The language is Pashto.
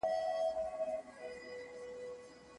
څېړونکی د خپلو موندنو پر بنسټ نوې تیوري جوړوي.